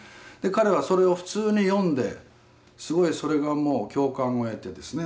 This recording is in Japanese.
彼はそれを普通に読んですごいそれが共感を得てですね